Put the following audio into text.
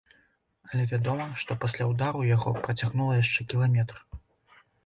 Але вядома, што пасля ўдару яго працягнула яшчэ кіламетр.